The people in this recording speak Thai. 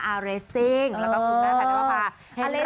อาร์เรซิ่งแล้วก็คุณภัณฑภาเห็นรักเด็ก